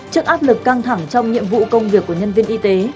trước áp lực căng thẳng trong nhiệm vụ công việc của nhân viên y tế